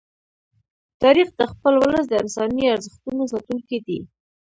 تاریخ د خپل ولس د انساني ارزښتونو ساتونکی دی.